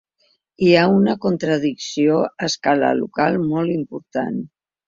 Hi ha una contradicció a escala local molt important.